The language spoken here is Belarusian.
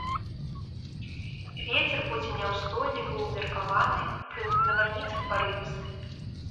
Вецер будзе няўстойлівы ўмеркаваны, пры навальніцах парывісты.